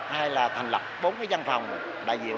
hay là thành lập bốn cái văn phòng đại diện